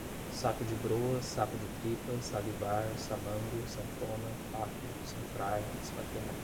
saco de broa, saco de tripa, salivar, samango, sanfona, paco, sanfrar, esfaquear